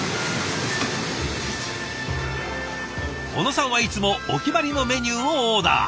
小野さんはいつもお決まりのメニューをオーダー。